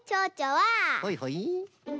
はいはい。